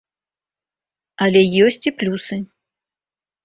Але ёсць і плюсы.